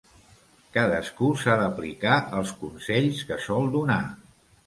Cadascú s'ha d'aplicar els consells que sol donar.